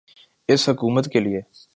اس حکومت کیلئے۔